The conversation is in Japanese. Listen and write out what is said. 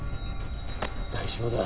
大丈夫だ。